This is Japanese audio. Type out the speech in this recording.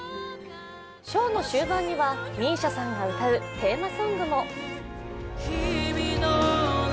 ショーの終盤には、ＭＩＳＩＡさんが歌う、テーマソングも。